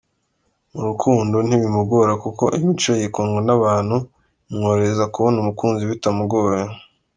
Mu rukundo ntibimugora kuko imico ye ikundwa n’abantu imworohereza kubona umukunzi bitamugoye.